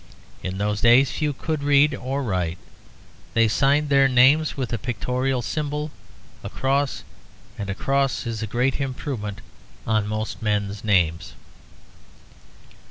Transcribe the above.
In those days few could read or write; they signed their names with a pictorial symbol, a cross and a cross is a great improvement on most men's names.